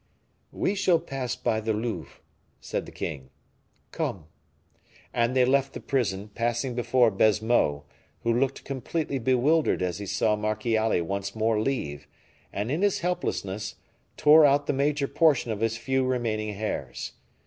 "We shall pass by the Louvre," said the king. "Come." And they left the prison, passing before Baisemeaux, who looked completely bewildered as he saw Marchiali once more leave; and, in his helplessness, tore out the major portion of his few remaining hairs.